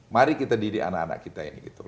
mari kita didirikan anak anak kita